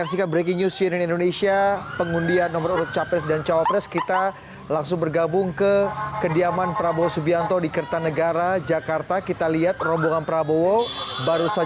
indonesia breaking news